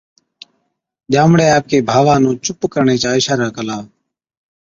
ڄامڙي آپڪي ڀاوا نُون چُپ ڪرڻي چڪا اِشارا ڪلا،